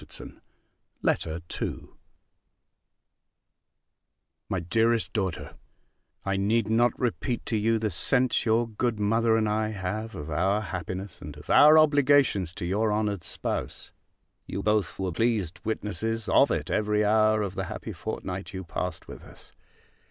_ LETTER II MY DEAREST DAUGHTER, I need not repeat to you the sense your good mother and I have of our happiness, and of our obligations to your honoured spouse; you both were pleased witnesses of it every hour of the happy fortnight you passed with us.